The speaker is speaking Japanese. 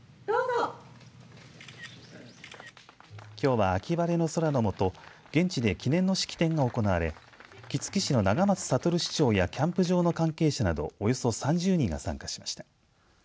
きょうは秋晴れの空の下現地で記念の式典が行われ杵築市の永松悟市長やキャンプ場の関係者などおよそ３０人が参加しました。